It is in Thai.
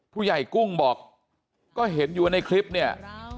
ผู้ใหญ่กุ้งบอกก็เห็นอยู่ในคลิปเนี่ย